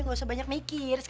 gak usah banyak mikir